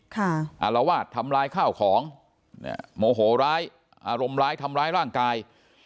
อารวาสทำร้ายข้าวของเนี่ยโมโหร้ายอารมณ์ร้ายทำร้ายร่างกาย